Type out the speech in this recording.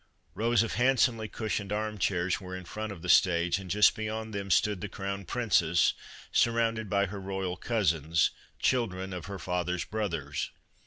Rows of hand somely cushioned arm chairs were in front of the stage, and just beyond them stood the Crown Prin t\ Royal Christmas Tree cess, surrounded by her royal cousins, children of her father's brothers.